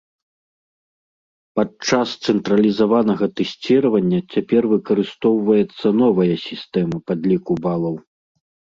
Падчас цэнтралізаванага тэсціравання цяпер выкарыстоўваецца новая сістэма падліку балаў.